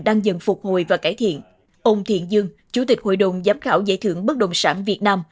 đang dần phục hồi và cải thiện ông thiện dương chủ tịch hội đồng giám khảo giải thưởng bất đồng sản việt nam